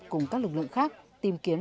cùng các lực lượng khác tìm kiếm